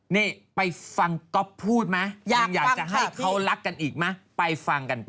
นี่ไปฟังก็พูดมั้ยอยากจะให้เขารักกันอีกมั้ยไปฟังกันป่ะ